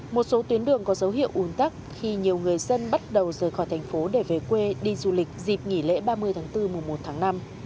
một số tuyến đường có dấu hiệu ủn tắc khi nhiều người dân bắt đầu rời khỏi thành phố để về quê đi du lịch dịp nghỉ lễ ba mươi tháng bốn mùa một tháng năm